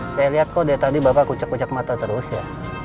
saya lihat kok dari tadi bapak kucak kucak mata terus ya